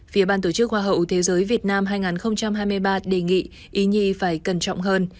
phía ban tổ chức hoa hậu thế giới việt nam hai nghìn hai mươi ba đề nghị ý nhì phải cẩn trọng hơn